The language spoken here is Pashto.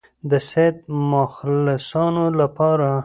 د سید مخلصانو لپاره.